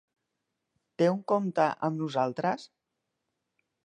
Té un compte amb nosaltres?